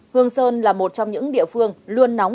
hương sơn là một trong những địa phương luôn nóng